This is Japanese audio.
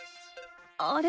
あれ？